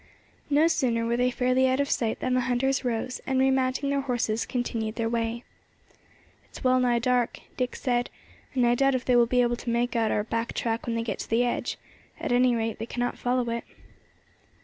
No sooner were they fairly out of sight than the hunters rose, and, remounting their horses, continued their way. "It's well nigh dark," Dick said, "and I doubt if they will be able to make out our back track when they get to the edge; at any rate they cannot follow it."